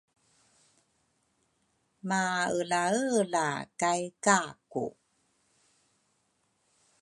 maelaela kay Kaku.